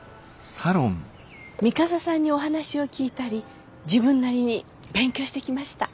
三笠さんにお話を聞いたり自分なりに勉強してきました。